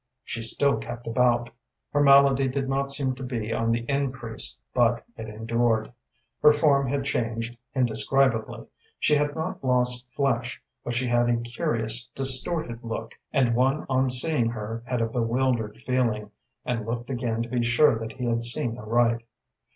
She still kept about. Her malady did not seem to be on the increase, but it endured. Her form had changed indescribably. She had not lost flesh, but she had a curious, distorted look, and one on seeing her had a bewildered feeling, and looked again to be sure that he had seen aright.